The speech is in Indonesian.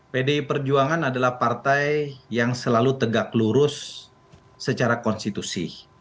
pdi perjuangan adalah partai yang selalu tegak lurus secara konstitusi